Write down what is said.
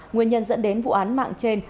nguyên nhân dẫn đến vụ án mạng trên